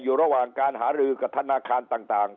อยู่ระหว่างการหารือกับธนาคารต่าง